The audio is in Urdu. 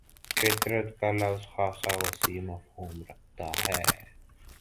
فطرت کا لفظ خاصہ وسیع مفہوم رکھتا ہے